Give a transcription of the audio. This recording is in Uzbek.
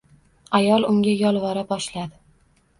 Ayol unga yolvora boshladi